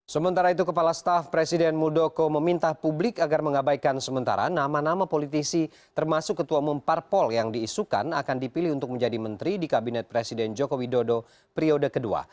sementara itu kepala staf presiden muldoko meminta publik agar mengabaikan sementara nama nama politisi termasuk ketua umum parpol yang diisukan akan dipilih untuk menjadi menteri di kabinet presiden joko widodo periode kedua